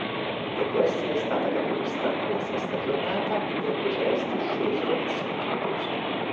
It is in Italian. Dopo essere stata capolista alla sesta giornata, i biancocelesti scesero al settimo posto.